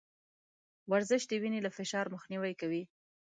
ورزش د وينې له فشار مخنيوی کوي.